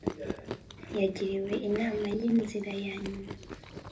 Yagiriwe inama y inzira yanyura